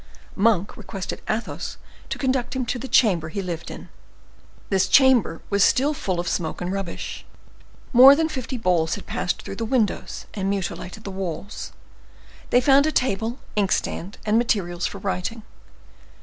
Monk requested Athos to conduct him to the chamber he lived in. This chamber was still full of smoke and rubbish. More than fifty balls had passed through the windows and mutilated the walls. They found a table, inkstand, and materials for writing.